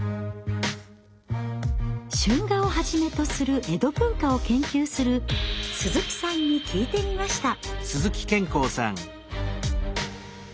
春画をはじめとする江戸文化を研究する鈴木さんに聞いてみました。